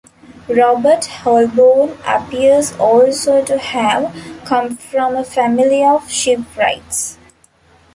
Robert Holborn appears also to have come from a family of shipwrights.